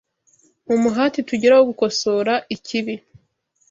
Mu muhati tugira wo gukosora ikibi,